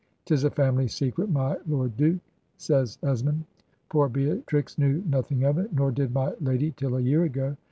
' 'Tis a family secret, my Lord Duke,' says Esmond: 'poor Beatrix knew noth ing of it, nor did my lady till a year ago.'